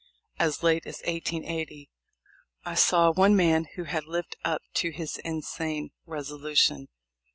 As late as 1880 I saw one man who had lived up to his insane resolution.